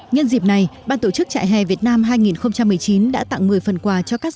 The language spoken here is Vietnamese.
nhân dịp này ban tổ chức trại hè việt nam hai nghìn một mươi chín đã tặng một mươi phần quà cho các